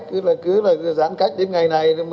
cứ là cứ giãn cách đến ngày này